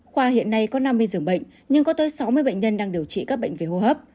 khoa hiện nay có năm mươi giường bệnh nhưng có tới sáu mươi bệnh nhân đang điều trị các bệnh về hô hấp